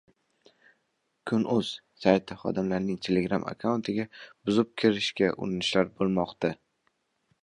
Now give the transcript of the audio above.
Kun.uz sayti xodimlarining Telegram akkauntiga buzib kirishga urinishlar bo‘lmoqda